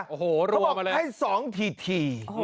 โอ้โหรวมมาเลยเขาบอกให้๒ที